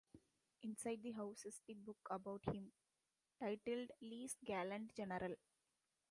Inside the house is the book about him, titled "Lee's Gallant General".